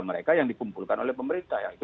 mereka yang dikumpulkan oleh pemerintah